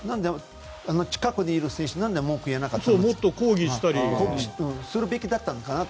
近くにいる選手、何で文句言えなかったのかなと。